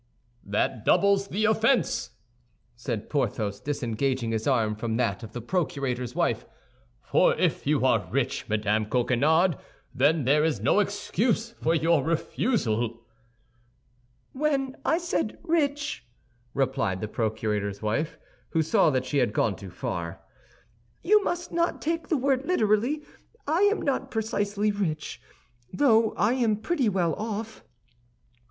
"That doubles the offense," said Porthos, disengaging his arm from that of the procurator's wife; "for if you are rich, Madame Coquenard, then there is no excuse for your refusal." "When I said rich," replied the procurator's wife, who saw that she had gone too far, "you must not take the word literally. I am not precisely rich, though I am pretty well off."